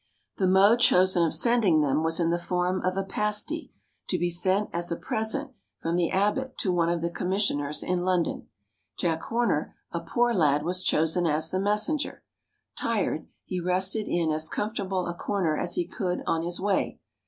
The mode chosen of sending them was in the form of a pasty to be sent as a present from the abbot to one of the commissioners in London. Jack Horner, a poor lad, was chosen as the messenger. Tired, he rested in as comfortable a corner as he could on his way.